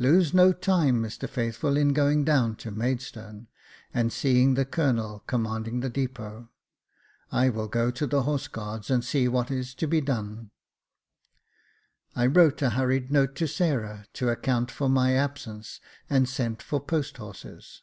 Lose no time, Mr Faithful, in going down to Maidstone, and seeing the colonel com manding the depot. I will go to the Horse Guards, and see what is to be done." I wrote a hurried note to Sarah to account for my absence, and sent for post horses.